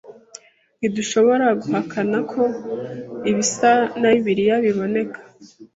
Ntidushobora guhakana ko ibisa na Bibiliya biboneka